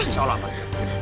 insya allah aman